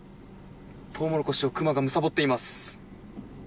トウモロコシをクマがむさぼっています。